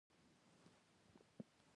قلم د انسان د درناوي لامل ګرځي